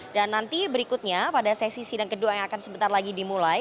dan nanti berikutnya pada sesi sidang kedua yang akan sebentar lagi dimulai